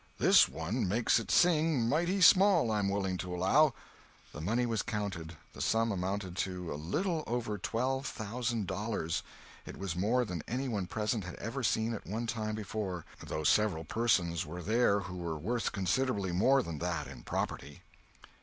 This one makes it sing mighty small, I'm willing to allow." The money was counted. The sum amounted to a little over twelve thousand dollars. It was more than any one present had ever seen at one time before, though several persons were there who were worth considerably more than that in property.